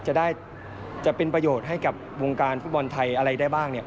จะเป็นประโยชน์ให้กับวงการฟุตบอลไทยอะไรได้บ้างเนี่ย